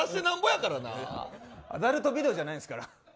アダルトビデオじゃないんですから。